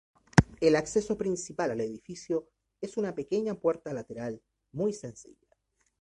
El acceso principal al edificio es una pequeña puerta lateral muy sencilla.